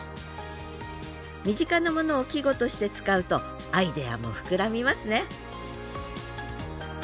身近なものを季語として使うとアイデアも膨らみますね